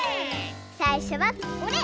さいしょはこれ。